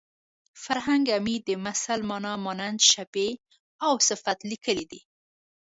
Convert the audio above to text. فرهنګ عمید د مثل مانا مانند شبیه او صفت لیکلې ده